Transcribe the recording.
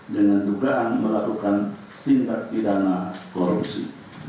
dengan dugaan melakukan hudup perlebihan tidak n polasi